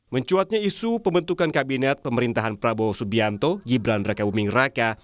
mencuatnya isu pembentukan kabinet pemerintahan prabowo subianto gibran raka buming raka